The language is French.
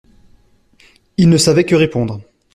Il ne savait que répondre.